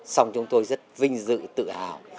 xong chúng tôi rất vinh dự tự hào